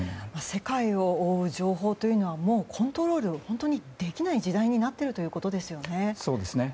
世界を覆う情報というのはもうコントロールできない時代になっているということですね。